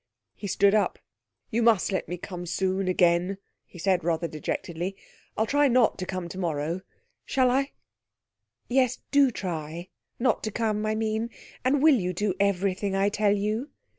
He stood up. 'You must let me come soon again,' he said rather dejectedly. 'I'll try not to come tomorrow. Shall I?' 'Yes, do try not to come, I mean. And will you do everything I tell you?'